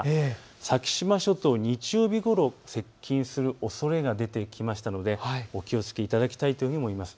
先島諸島、日曜日ごろ、接近するおそれが出てきましたのでお気をつけいただきたいと思います。